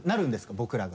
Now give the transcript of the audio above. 僕らが。